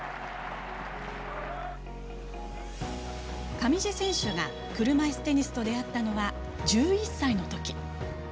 上地選手が車いすテニスと出会ったのは１１歳のとき。